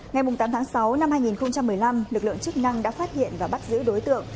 ngày tám tháng sáu năm hai nghìn một mươi năm lực lượng chức năng đã phát hiện và bắt giữ đối tượng